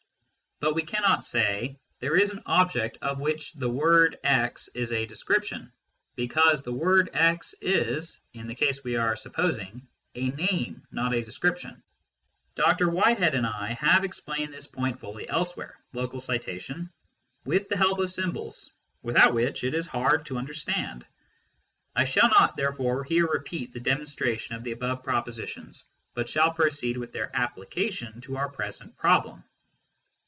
But we cannot say :" There is an object of which x is a description," because x is (in the case we are supposing) a name, not a description. Dr. Whitehead and I have explained this point fully elsewhere (loc. cit.) with the help of symbols, without which it is hard to understand ; I shall not therefore here repeat the demonstration of the above propositions, but shall proceed with their applica tion to our present problem.